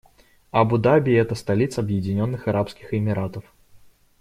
Абу-Даби - это столица Объединённых Арабских Эмиратов.